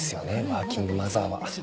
ワーキングマザーは。